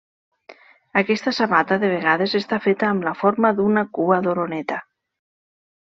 Aquesta sabata de vegades està feta amb la forma d'una cua d'oreneta.